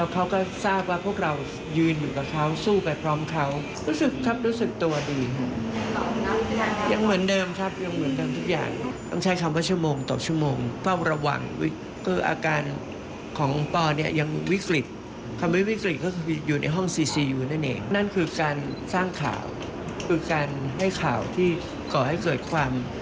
คุณผู้ชมสามารถติดตามคำสัมภาษณ์ฉบับเต็มได้ของอน้ำอ้อยสอนมนตรา